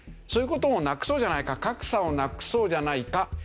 そういう事をなくそうじゃないか格差をなくそうじゃないか。